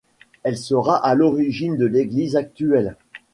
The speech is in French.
Elle sera à l'origine de l'église actuelle.